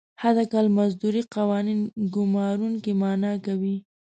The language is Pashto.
حداقل مزدوري قوانین ګمارونکي منعه کوي.